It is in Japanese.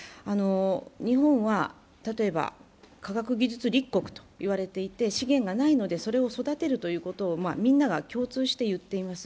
日本は、例えば科学技術立国と言われていて、資源がないのでそれを育てることをみんなが共通して言っています。